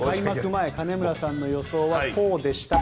前金村さんの予想はこうでした。